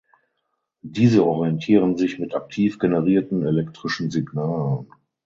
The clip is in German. Diese orientieren sich mit aktiv generierten elektrischen Signalen.